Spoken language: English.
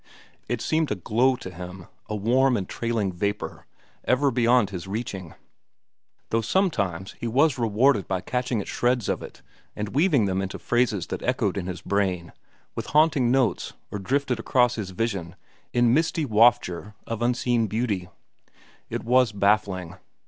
It seemed a glow to him, a warm and trailing vapor, ever beyond his reaching, though sometimes he was rewarded by catching at shreds of it and weaving them into phrases that echoed in his brain with haunting notes or drifted across his vision in misty wafture of unseen beauty. It was baffling.